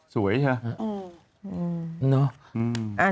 สวยใช่ไหม